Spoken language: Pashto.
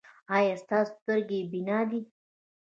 ایا ستاسو سترګې بینا دي؟